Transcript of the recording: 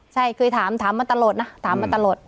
ใช่เคยถามถามมาตลอดนะถามมาตลอด